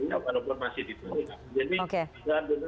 dan mereka juga masih diperlukan